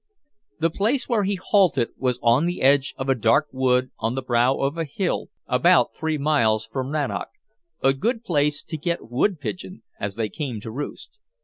The place where he halted was on the edge of a dark wood on the brow of a hill about three miles from Rannoch a good place to get woodpigeon, as they came to roost.